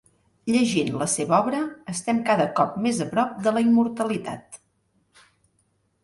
Llegint la seva obra estem cada cop més a prop de la immortalitat.